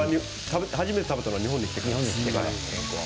初めて食べたのは日本に来てからです。